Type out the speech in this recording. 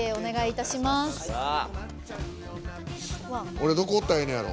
俺、どこおったらええんやろ。